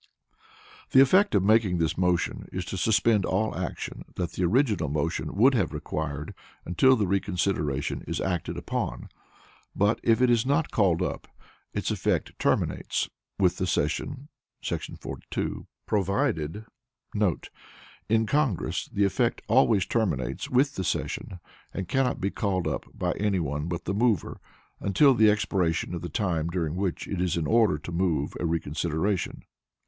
The Effect of making this motion is to suspend all action that the original motion would have required until the reconsideration is acted upon; but if it is not called up, its effect terminates with the session [§ 42], provided,* [In Congress the effect always terminates with the session, and it cannot be called up by any one but the mover, until the expiration of the time during which it is in order to move a reconsideration.